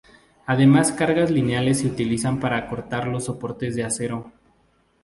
Además cargas lineales se utilizan para cortar los soportes de acero.